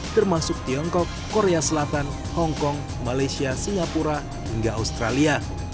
termasuk tiongkok korea selatan hongkong malaysia singapura hingga australia